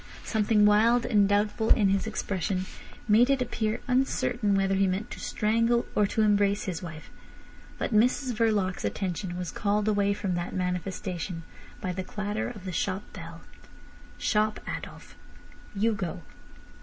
Something wild and doubtful in his expression made it appear uncertain whether he meant to strangle or to embrace his wife. But Mrs Verloc's attention was called away from that manifestation by the clatter of the shop bell. "Shop, Adolf. You go."